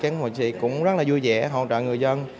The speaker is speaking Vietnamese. các hồ sơ cũng rất là vui vẻ hỗ trợ người dân